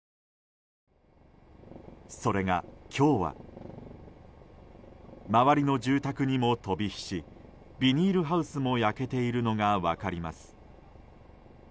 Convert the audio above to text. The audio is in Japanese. それが今日は周りの住宅にも飛び火しビニールハウスも焼けているのが分かります。